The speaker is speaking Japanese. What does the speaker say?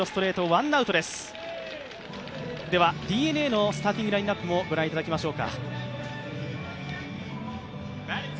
ＤｅＮＡのスターティングラインナップも御覧いただきましょう。